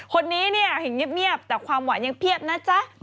คนนี้เนี่ยเห็นเงียบแต่ความหวานยังเพียบนะจ๊ะ